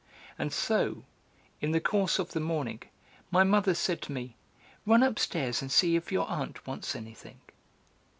And so, in the course of the morning, my mother said to me: "Run upstairs, and see if your aunt wants anything."